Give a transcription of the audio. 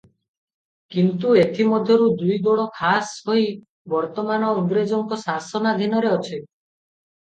କିନ୍ତୁ ଏଥି ମଧ୍ୟରୁ ଦୁଇ ଗଡ଼ ଖାସ ହୋଇ ବର୍ତ୍ତମାନ ଇଂରେଜଙ୍କ ଶାସନାଧୀନରେ ଅଛି ।